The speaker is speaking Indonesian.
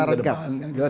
itu nanti kami ke depan